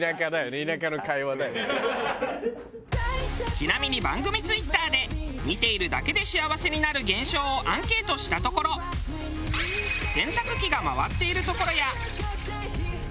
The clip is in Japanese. ちなみに番組Ｔｗｉｔｔｅｒで見ているだけで幸せになる現象をアンケートしたところ洗濯機が回っているところや。